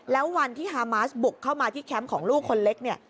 แล้ววันที่ฮามาสบุกเข้ามาที่แคมป์ของลูกคนเล็กเนี่ย